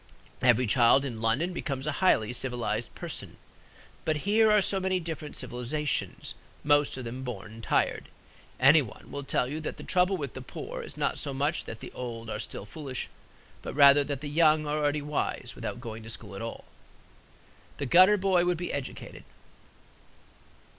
Every child in London becomes a highly civilized person. But here are so many different civilizations, most of them born tired. Anyone will tell you that the trouble with the poor is not so much that the old are still foolish, but rather that the young are already wise. Without going to school at all, the gutter boy would be educated.